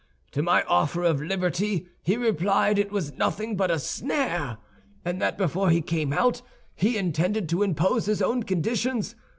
To my offer of liberty, he replied that it was nothing but a snare, and that before he came out he intended to impose his own conditions.